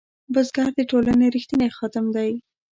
بزګر د ټولنې رښتینی خادم دی